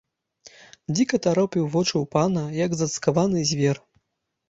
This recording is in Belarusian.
Дзіка таропіў вочы ў пана, як зацкаваны звер.